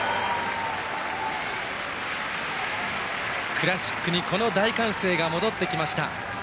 クラシックにこの大歓声が戻ってきました。